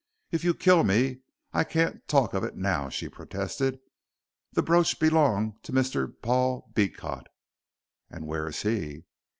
"If you kill me I can't talk of it now," she protested. "The brooch belonged to Mr. Paul Beecot." "And where is he?"